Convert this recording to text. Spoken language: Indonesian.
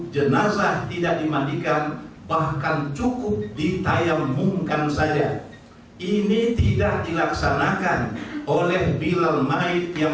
jenazah tidak dimandikan bahkan cukup ditayamungkan saja ini tidak dilaksanakan oleh bila mait yang